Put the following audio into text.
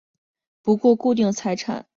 不过固定财产一词日渐少使用了。